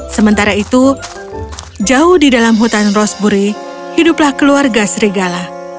sementara itu jauh di dalam hutan rosburi hiduplah keluarga serigala